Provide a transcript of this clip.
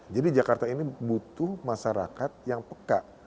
jadi jakarta ini butuh masyarakat yang peka